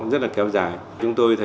rất là kéo dài